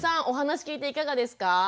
お話聞いていかがですか？